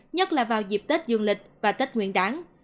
nhất là vào dịp tết dương lịch và tết nguyên đáng